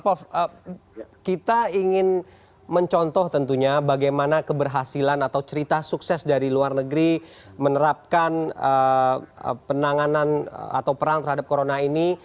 prof kita ingin mencontoh tentunya bagaimana keberhasilan atau cerita sukses dari luar negeri menerapkan penanganan atau perang terhadap corona ini